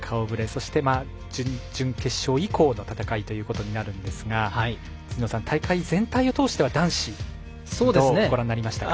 そして、準々決勝以降の戦いということになるんですが大会全体を通しては男子、どうご覧になりましたか？